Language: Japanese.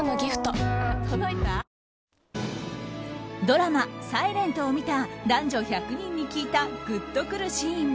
ドラマ「ｓｉｌｅｎｔ」を見た男女１００人に聞いたグッとくるシーン